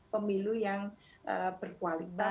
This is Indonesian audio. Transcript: pemilu yang berkualitas